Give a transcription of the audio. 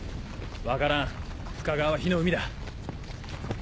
分からん深川は火の海だ。